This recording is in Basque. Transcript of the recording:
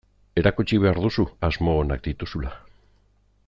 Erakutsi behar duzu asmo onak dituzula.